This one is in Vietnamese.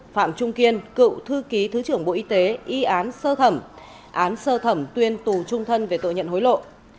một phạm trung kiên cựu thư ký thứ trưởng bộ y tế y án sơ thẩm án sơ thẩm tuyên tù trung thân về tội nhận hối lộ